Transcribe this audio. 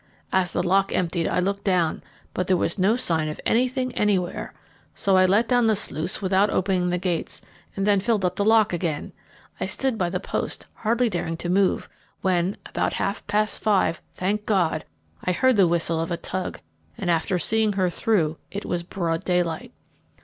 As the lock emptied I looked down, but there was no sign of anything anywhere, so I let down the sluice without opening the gates, and then filled up the lock again. I stood by the post, hardly daring to move, when, about half past five, thank God, I heard the whistle of a tug, and, after seeing her through, it was broad daylight.